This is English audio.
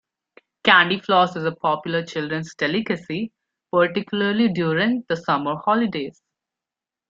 Candyfloss is a popular children's delicacy, particularly during the summer holidays